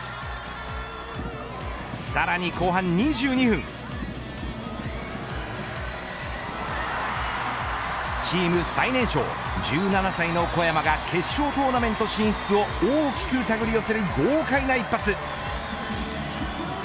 さらに後半２２分チーム最年少１７歳の小山が決勝トーナメント進出を大きくたぐり寄せる豪快な一発。